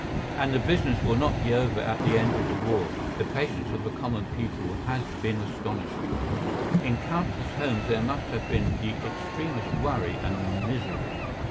And the business will not be over at the end of the war. The patience of the common people has been astonishing. In countless homes there must have been the extremest worry and misery.